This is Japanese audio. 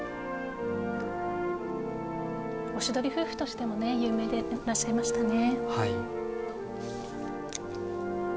おしどり夫婦としても有名でいらっしゃいましたね。